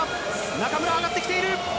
中村上がってきている。